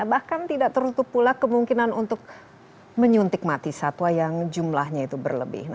bahkan tidak tertutup pula kemungkinan untuk menyuntik mati satwa yang jumlahnya itu berlebih